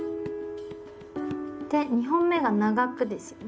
で２本目が長くですよね。